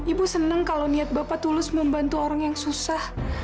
ibu senang kalau niat bapak tulus membantu orang yang susah